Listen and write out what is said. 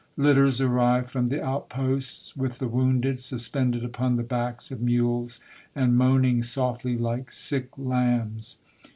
Litters arrive from the outposts with the wounded suspended upon the backs of mules, and moaning softly like sick lambs.